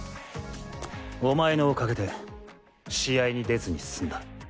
お前のお陰で試合に出ずに済んだ。